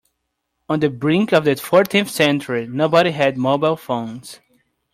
On the brink of the fourteenth century, nobody had mobile phones.